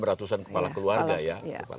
enam ratus an kepala keluarga ya